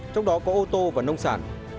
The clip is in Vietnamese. trong đó có ô tô và nông sản